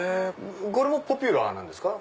これもポピュラーなんですか？